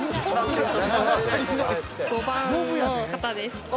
５番の方です。